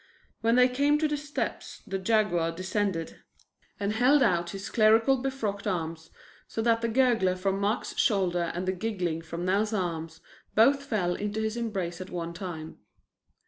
When they came to the steps the Jaguar descended and held out his clerically befrocked arms so that the gurgler from Mark's shoulder and the giggler from Nell's arms both fell into his embrace at one time.